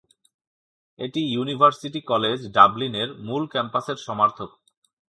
এটি university college ডাবলিনের মূল ক্যাম্পাসের সমার্থক।